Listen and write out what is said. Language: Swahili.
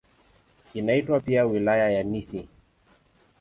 Inaitwa pia "Wilaya ya Nithi".